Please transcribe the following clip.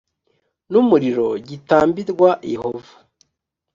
n umuriro gitambirwa yehova